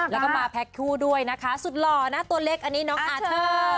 แล้วก็มาแพ็คคู่ด้วยนะคะสุดหล่อนะตัวเล็กอันนี้น้องอาเทอร์